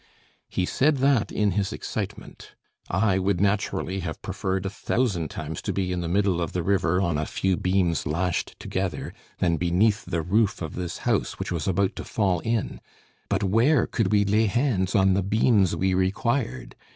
He said that in his excitement. I would naturally have preferred a thousand times to be in the middle of the river, on a few beams lashed together, than beneath the roof of this house which was about to fall in. But where could we lay hands on the beams we required?